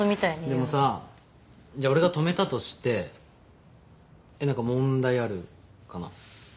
でもさじゃあ俺が泊めたとしてえっ何か問題あるかな？